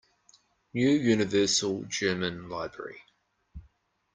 New Universal German Library.